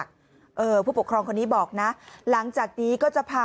คุณผู้ชมฟังเสียงผู้หญิง๖ขวบโดนนะคะ